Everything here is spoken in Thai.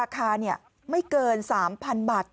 ใช่ค่ะ